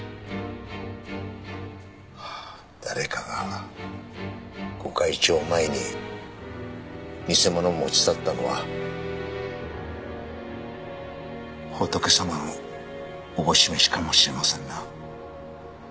誰かが御開帳前に偽物を持ち去ったのは仏様の思し召しかもしれませんな。